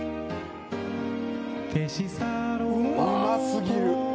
うま過ぎる。